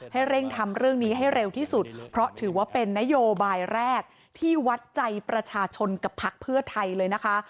ให้เร่งทำเรื่องนี้ให้เร็วที่สุดเพราะถือว่าเป็นนโยบายแรกที่วัดใจประชาชนกับพักเพื่อไทยเลยนะคะ